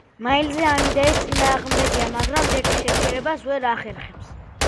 მაილზი ამ იდეის წინააღმდეგია მაგრამ ჯეკის შეჩერებას ვერ ახერხებს.